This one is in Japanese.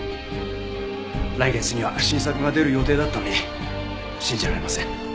来月には新作が出る予定だったのに信じられません。